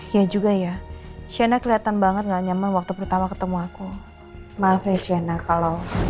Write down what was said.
ya juga ya shena kelihatan banget nggak nyaman waktu pertama ketemu aku maaf ya shena kalau